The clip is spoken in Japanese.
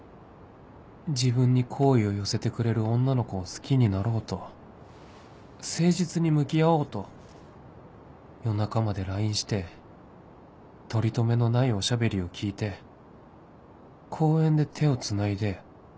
自分に好意を寄せてくれる女の子を好きになろうと誠実に向き合おうと夜中まで ＬＩＮＥ してとりとめのないおしゃべりを聞いて公園で手をつないで